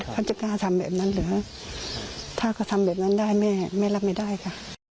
เขาจะกล้าทำแบบนั้นเหรอถ้าเขาทำแบบนั้นได้แม่แม่รับไม่ได้ค่ะ